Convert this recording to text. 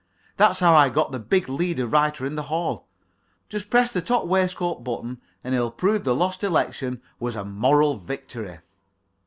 That's how I got the big leader writer in the hall. Just press his top waistcoat button and he'll prove that the lost election was a moral victory.